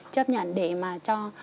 chấp nhận để mà cho